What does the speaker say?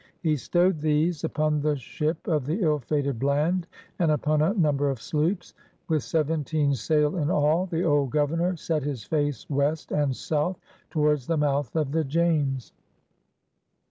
He stowed these REBELLION AND CHANGE 181 upon the ship of the ill fated Bland and upon a number of sloops. With seventeen sail in all, the old Governor set his face west and south towards the mouth of the James.